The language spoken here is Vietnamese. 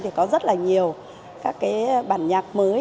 thì có rất là nhiều các cái bản nhạc mới